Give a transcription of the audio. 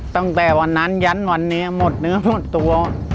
ตั้งแต่วันนั้นยั้นวันนี้หมดเนื้อหมดตัว